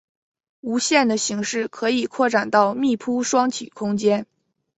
无限的形式可以扩展到密铺双曲空间。